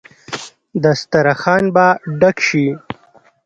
دسترخان به ډک شي.